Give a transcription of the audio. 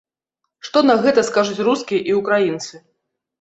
Што на гэта скажуць рускія і ўкраінцы?